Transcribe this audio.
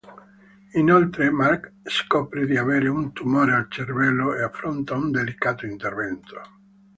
Inoltre Mark scopre di avere un tumore al cervello e affronta un delicato intervento.